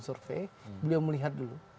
survei beliau melihat dulu